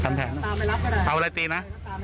ทำแผนนะเอาอะไรตีมะ